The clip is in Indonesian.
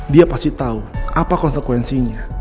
dia pasti tahu apa konsekuensinya